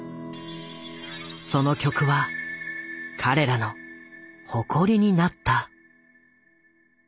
その曲は彼らの誇りになった。